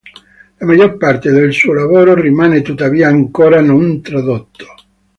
La maggior parte del suo lavoro rimane tuttavia ancora non tradotto.